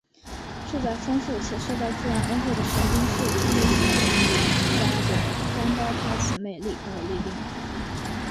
住在丰富且受到自然恩惠的神滨市里御子神家的双胞胎姊妹莉可和莉咪。